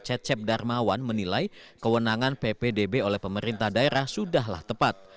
cecep darmawan menilai kewenangan ppdb oleh pemerintah daerah sudahlah tepat